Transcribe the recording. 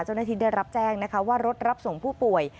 เจ้าหน้าที่ได้รับแจ้งนะคะว่ารถรับส่งผู้ป่วย